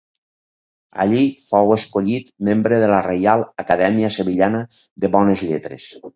Allí fou escollit membre de la Reial Acadèmia Sevillana de Bones Lletres.